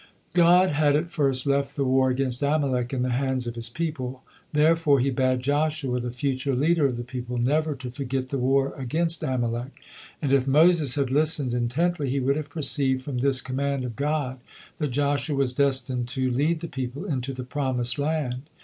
God had at first left the war against Amalek in the hands of His people, therefore He bade Joshua, the future leader of the people, never to forget the war against Amalek; and if Moses had listened intently, he would have perceived from this command of God that Joshua was destined to lead the people into the promised land.